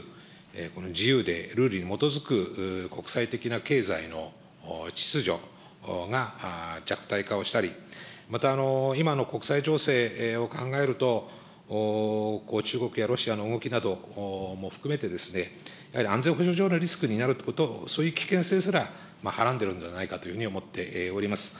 この自由でルールに基づく国際的な経済の秩序が弱体化をしたり、また、今の国際情勢を考えると、中国やロシアの動きなども含めて、安全保障上のリスクになるということを、そういう危険性すらはらんでいるんではないかと思っております。